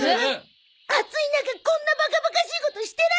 暑い中こんなバカバカしいことしてらんないよ！